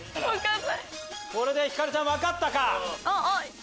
これでひかるちゃん分かったか？